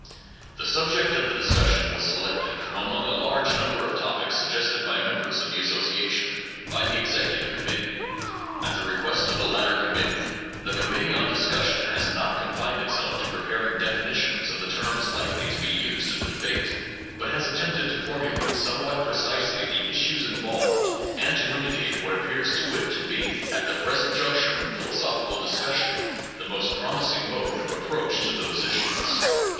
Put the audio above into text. The subject of the discussion was selected, from among a large number of topics suggested by members of the Association, by the Executive Committee. At the request of the latter committee the Committee on Discussion has not confined itself to preparing definitions of the terms likely to be used in the debate, but has at tempted to formulate somewhat precisely the issues involved and to indicate what appears to it to be, at the present juncture in philo sophical discussion, the most promising mode of approach to those issues.